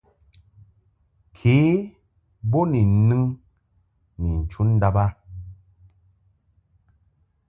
Ke bo ni nɨŋ ni chu ndàb a.